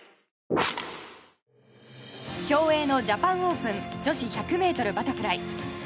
競泳のジャパンオープン女子１００ｍバタフライ。